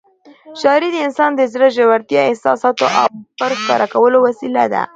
شاعري د انسان د زړه د ژورو احساساتو او افکارو ښکاره کولو وسیله ده.